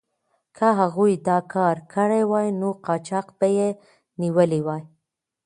که هغوی دا کار کړی وای، نو قاچاق به یې نیولی وای.